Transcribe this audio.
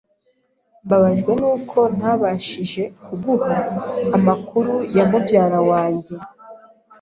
Mbabajwe nuko ntabashije kuguha amakuru ya mubyara wanjye.